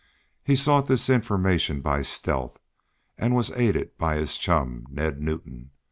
He sought this information by stealth, and was aided by his chum, Ned Newton.